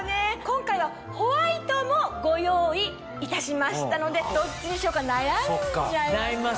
今回はホワイトもご用意いたしましたのでどっちにしようか悩んじゃいますよね。